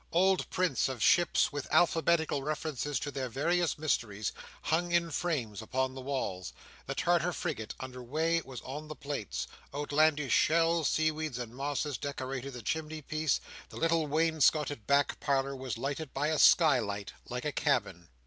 Old prints of ships with alphabetical references to their various mysteries, hung in frames upon the walls; the Tartar Frigate under weigh, was on the plates; outlandish shells, seaweeds, and mosses, decorated the chimney piece; the little wainscotted back parlour was lighted by a sky light, like a cabin.